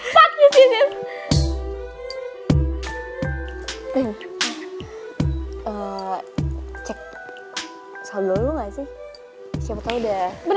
sumpah banyak banget tuh ada satu dua tiga empat